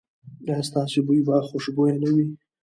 ایا ستاسو بوی به خوشبويه نه وي؟